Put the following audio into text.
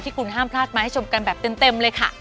คุณห้ามพลาดมาให้ชมกันแบบเต็มเลยค่ะ